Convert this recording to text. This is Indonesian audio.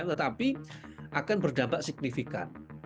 tetapi akan berdampak signifikan